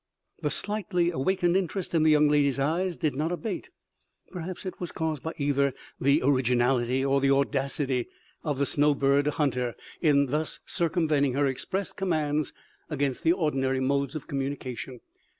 The slightly awakened interest in the young lady's eyes did not abate. Perhaps it was caused by either the originality or the audacity of the snow bird hunter, in thus circumventing her express commands against the ordinary modes of communication.